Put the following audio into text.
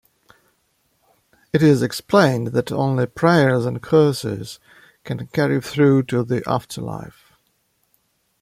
It is explained that only prayers and curses can carry through to the afterlife.